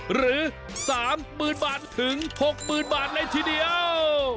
หรือ๓๐๐๐๐๖๐๐๐๐บาทในทีเดียว